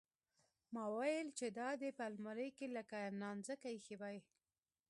ما ويل چې دا دې په المارۍ کښې لکه نانځکه ايښې واى.